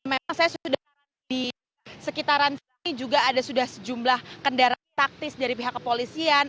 dan memang saya sudah di sekitaran sini juga ada sudah sejumlah kendaraan taktis dari pihak kepolisian